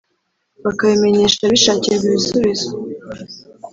bakabimenyesha bishakirwa ibisubizo